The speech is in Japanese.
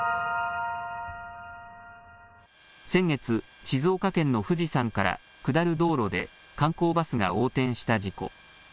先月、静岡県の富士山から下る道路で観光バスが横転した事故。